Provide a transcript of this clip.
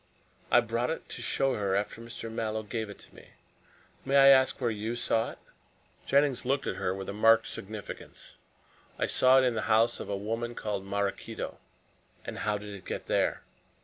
"I brought it to show her after Mr. Mallow gave it to me. May I ask where you saw it?" Jennings looked at her with marked significance. "I saw it in the house of a woman called Maraquito." "And how did it get there?"